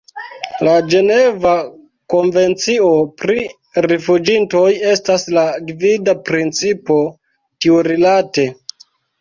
La Ĝeneva konvencio pri rifuĝintoj estas la gvida principo tiurilate.